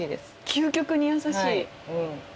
究極に優しい！